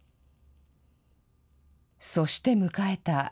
そして迎えた